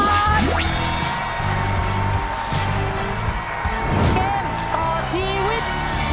เกมต่อชีวิต